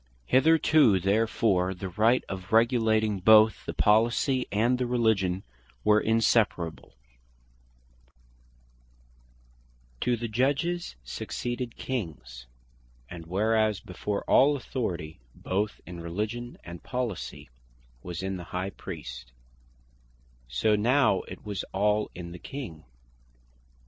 Hitherto therefore the Right of Regulating both the Policy, and the Religion, were inseparable. Of The Rights Of The Kings Of Israel To the Judges, succeeded Kings; And whereas before, all authority, both in Religion, and Policy, was in the High Priest; so now it was all in the King.